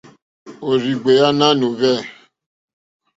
Òrzìɡbèá nánù hwɛ̂.